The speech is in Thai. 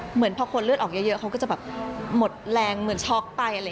เหมือนพอคนเลือดออกเยอะเขาก็จะแบบ